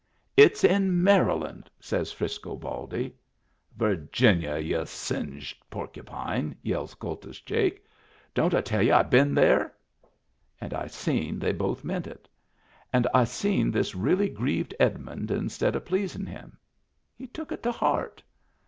It's in Maryland," says Frisco Baldy. " Virginia, y'u singed porcupine !" yells Kultus Jake " Don't I tell y'u I been there? " And I seen they both meant it. And I seen this really grieved Edmund instead of pleasin' him. He took it to heart.